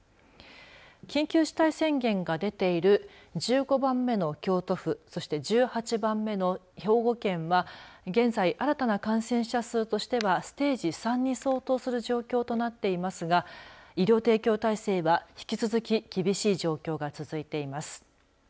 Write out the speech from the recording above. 緊急事態宣言が出ている１５番目の京都府そして１８番目の兵庫県は現在、新たな感染者数としてはステージ３に相当する状況となっていますが医療提供体制は引き続き厳しい状況が続いています。